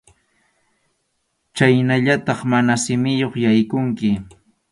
Chhaynallataq mana simiyuq yaykunki.